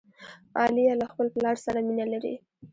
عالیه له خپل پلار سره مینه لري.